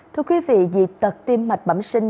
thưa quý vị dịp tật tim mạch bẩm sinh